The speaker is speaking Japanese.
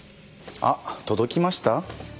あっ届きました？